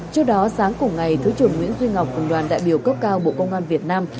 trước đó sáng cùng ngày thứ trưởng nguyễn duy ngọc cùng đoàn đại biểu cấp cao bộ công an việt nam